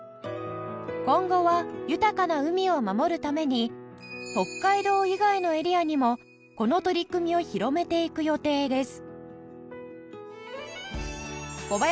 今後は豊かな海を守るために北海道以外のエリアにもこの取り組みを広めていく予定です